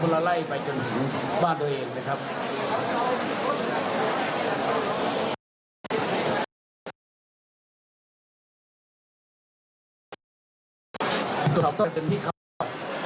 เป็นพื้นส่วนตัว